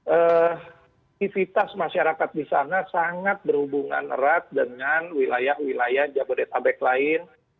aktivitas masyarakat di sana sangat berhubungan erat dengan wilayah wilayah jabodetabek lain